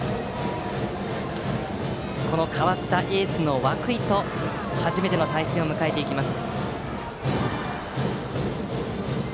この代わったエースの涌井と初めての対戦を迎えていきます。